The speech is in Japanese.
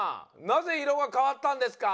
なぜ色が変わったんですか？